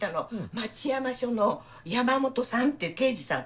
町山署の山本さんっていう刑事さんから。